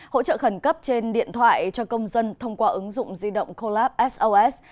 hỗ trợ khẩn cấp trên điện thoại cho công dân thông qua ứng dụng di động collab sos